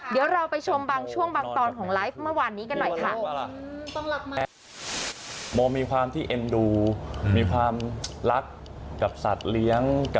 เดี๋ยวเราไปชมบางช่วงบางตอนของไลฟ์เมื่อวานนี้กันหน่อยค่ะ